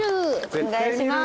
お願いします。